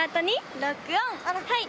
はい！